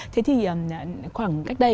thế thì khoảng cách đây